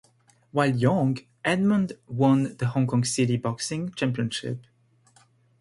While young, Edmond won the Hong Kong city boxing championship.